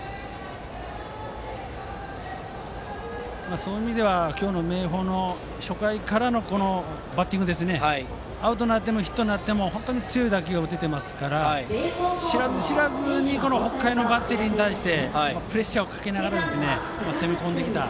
そういう意味では今日の明豊の初回からのバッティングアウトになってもヒットになっても強い打球が打てていますから知らず知らずに北海のバッテリーに対してプレッシャーをかけながら攻め込んできた。